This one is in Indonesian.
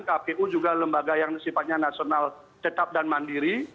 kpu juga lembaga yang sifatnya nasional tetap dan mandiri